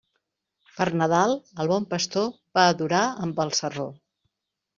Per Nadal, el bon pastor va a adorar amb el sarró.